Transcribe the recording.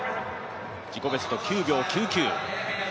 自己ベスト９秒９９。